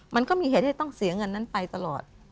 มันก็มีเหตุที่จะต้องเสียเงินนั้นไปตลอด